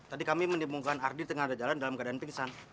tadi kami menimbulkan ardi tengah ada jalan dalam keadaan pingsan